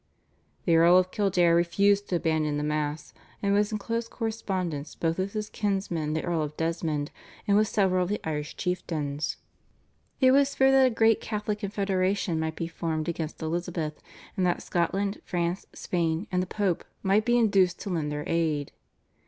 The Earl of Kildare refused to abandon the Mass, and was in close correspondence both with his kinsman the Earl of Desmond, and with several of the Irish chieftains. It was feared that a great Catholic confederation might be formed against Elizabeth, and that Scotland, France, Spain, and the Pope might be induced to lend their aid.